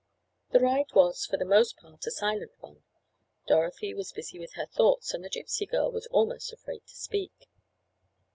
The ride was, for the most part, a silent one. Dorothy was busy with her thoughts, and the Gypsy girl was almost afraid to speak.